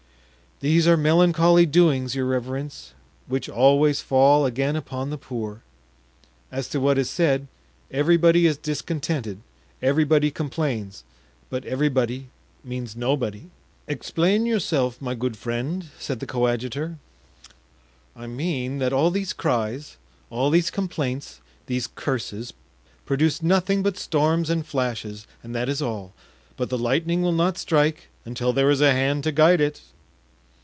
"These are melancholy doings, your reverence, which always fall again upon the poor. As to what is said, everybody is discontented, everybody complains, but 'everybody' means 'nobody.'" "Explain yourself, my good friend," said the coadjutor. "I mean that all these cries, all these complaints, these curses, produce nothing but storms and flashes and that is all; but the lightning will not strike until there is a hand to guide it."